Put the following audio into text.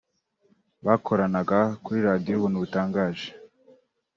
bakoranaga muri Radiyo Ubuntu butangaje